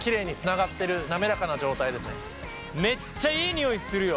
めっちゃいい匂いするよ。